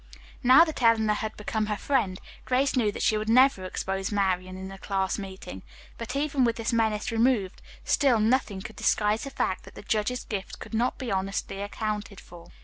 Now that Eleanor had become her friend, Grace knew that she would never expose Marian in class meeting, but even with this menace removed, still nothing could disguise the fact that the judge's gift could not be honestly accounted for.